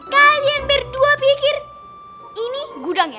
kalian berdua pikir ini gudang ya